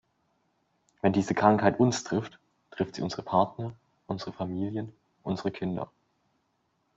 Wenn diese Krankheit uns trifft, trifft sie unsere Partner, unsere Familien, unsere Kinder.